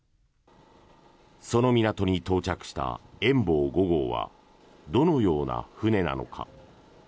その港に到着した「遠望５号」はどのような船なのか。